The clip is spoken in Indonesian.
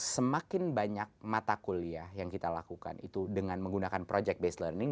semakin banyak mata kuliah yang kita lakukan itu dengan menggunakan project based learning